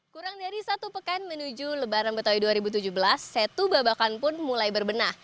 kurang dari satu pekan menuju lebaran betawi dua ribu tujuh belas setu babakan pun mulai berbenah